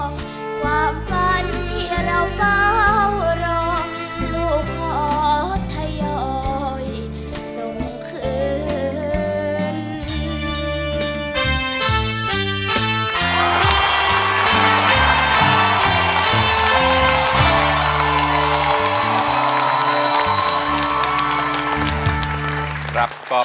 ความฝันที่เราเฝ้ารอลูกขอทยอยส่งคืน